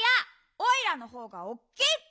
オイラのほうがおっきいって！